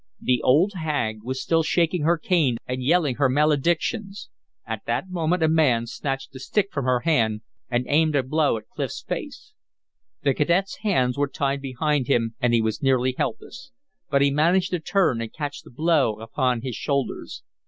The old hag was still shaking her cane and yelling her maledictions. At that moment a man snatched the stick from her hand and aimed a blow at Clif's face. The cadet's hands were tied behind him, and he was nearly helpless. But he managed to turn and catch the blow upon his shoulders.